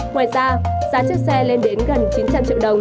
ngoài ra giá chiếc xe lên đến gần chín mươi k